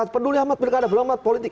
penduli amat pilkada penduli amat politik